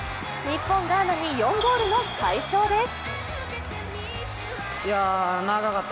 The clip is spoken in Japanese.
日本、ガーナに４ゴールの快勝です。